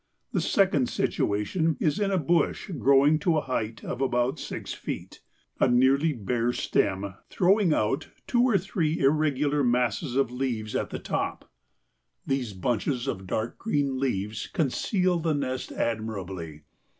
The second situation is in a bush growing to a height of about six feet, a nearly bare stem, throwing out two or three irregular masses of leaves at the top. These bunches of dark green leaves conceal the nest admirably.